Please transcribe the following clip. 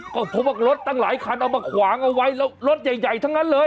ก็พบว่ารถตั้งหลายคันเอามาขวางเอาไว้แล้วรถใหญ่ทั้งนั้นเลย